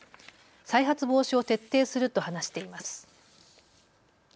再発防止を徹底すると話しています。